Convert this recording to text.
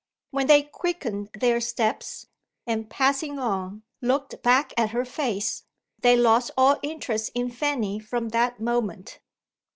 When they quickened their steps, and, passing on, looked back at her face, they lost all interest in Fanny from that moment.